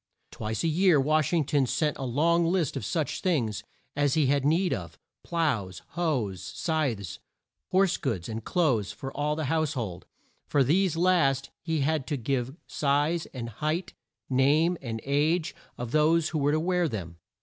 Twice a year Wash ing ton sent on a long list of such things as he had need of: ploughs, hoes, scythes, horse goods, and clothes for all the house hold. For these last he had to give size and height, name, and age, of those who were to wear them.